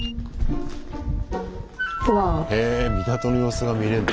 へ港の様子が見れんだ。